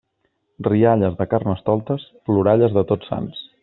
Rialles de Carnestoltes, ploralles de Tots Sants.